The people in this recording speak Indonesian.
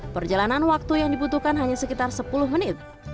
perjalanan waktu yang dibutuhkan hanya sekitar sepuluh menit